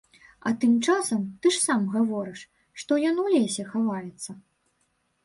А тым часам, ты ж сам гаворыш, што ён у лесе хаваецца!